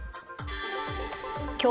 今日